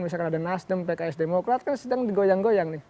misalkan ada nasdem pks demokrat kan sedang digoyang goyang nih